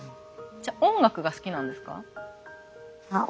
じゃあ音楽が好きなんですか？